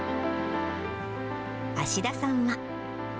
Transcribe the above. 芦田さんは。